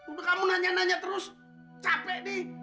udah udah kamu nanya nanya terus capek di